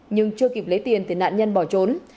nhưng chưa kịp lấy tiền thì nạn nhân bỏ trốn